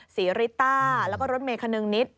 สีริต้าแล้วก็รถเมฆนึงนิด